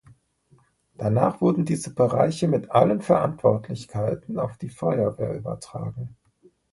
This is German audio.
Danach wurden diese Bereiche mit allen Verantwortlichkeiten auf die Feuerwehr übertragen.